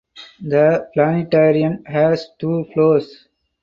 The planetarium has two floors.